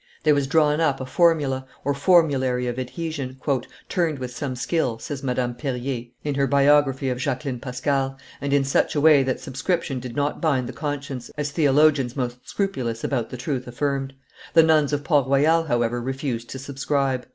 There was drawn up a formula or formulary of adhesion, "turned with some skill," says Madame Perier her biography of Jacqueline Pascal, and in such a way that subscription did not bind the conscience, as theologians most scrupulous about the truth affirmed; the nuns of Port Royal, however, refused to subscribe.